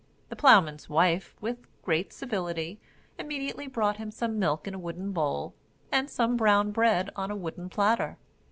The ploughman's wife, with great civility, immediately brought him some milk in a wooden bowl, and some brown bread on a wooden platter.